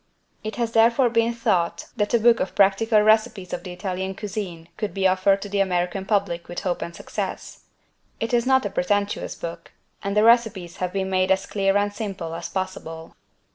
It has therefore been thought that a book of PRACTICAL RECIPES OF THE ITALIAN CUISINE could be offered to the American public with hope of success. It is not a pretentious book, and the recipes have been made as clear and simple as possible.